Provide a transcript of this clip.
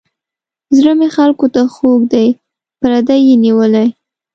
زړه مې خلکو ته خوږ دی پردي یې نیولي.